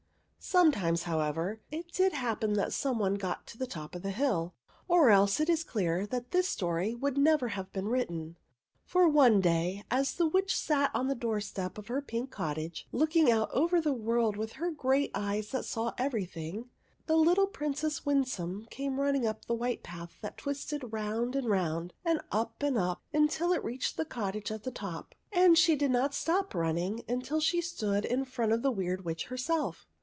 " Sometimes, however, it did happen that somebody got to the top of the hill ; or else it is clear that this story would never have been written. For, one day, as the Witch sat on the doorstep of her pink cottage, look ing out over the world with her great eyes that saw everything, the little Princess Win OF THE WILLOW HERB 5 some came running up the white path that twisted round and round and up and up until it reached the cottage at the top ; and she did not stop running until she stood in front of the Weird Witch herself.